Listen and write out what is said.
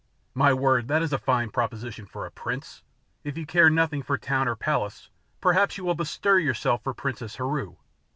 "My word, that is a fine proposition for a prince! If you care nothing for town or palace perhaps you will bestir yourself for Princess Heru."